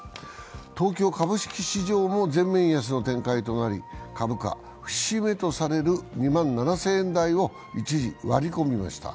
東京株式市場も全面安の展開となり株価、節目とされる２万７０００円台を一時、割り込みました。